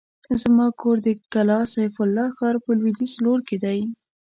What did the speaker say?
زما کور د کلا سيف الله ښار په لوېديځ لور کې دی.